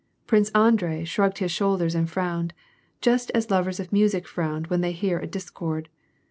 Prince Andrei shrugged his shoulders and frowned, just as lovei s of music frown when they hear a discord.